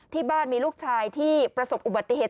ที่บ้านมีลูกชายที่ประสบอุบัติเหตุ